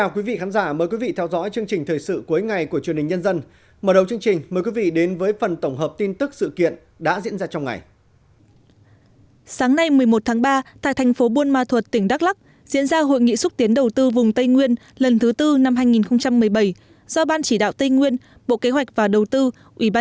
chào mừng quý vị đến với phần tổng hợp tin tức sự kiện đã diễn ra trong ngày